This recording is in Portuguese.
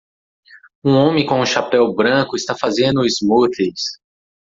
Um homem com um chapéu branco está fazendo smoothies.